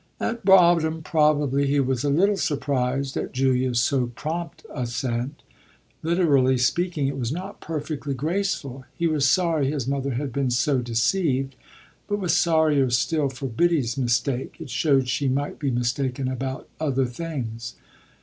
At bottom probably he was a little surprised at Julia's so prompt assent. Literally speaking, it was not perfectly graceful. He was sorry his mother had been so deceived, but was sorrier still for Biddy's mistake it showed she might be mistaken about other things.